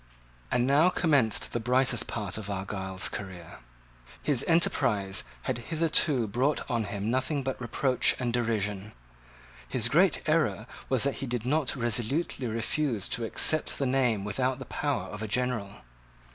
And now commenced the brightest part of Argyle's career. His enterprise had hitherto brought on him nothing but reproach and derision. His great error was that he did not resolutely refuse to accept the name without the power of a general.